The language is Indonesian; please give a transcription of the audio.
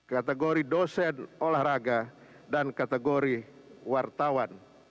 kategori dosen olahraga dan kategori wartawan